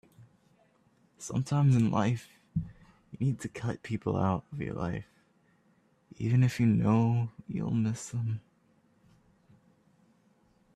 Sometimes in life you need to cut people out of your life even if you know you'll miss them.